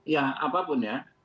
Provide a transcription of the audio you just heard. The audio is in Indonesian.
ya apapun ya